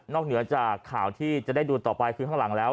เหนือจากข่าวที่จะได้ดูต่อไปคือข้างหลังแล้ว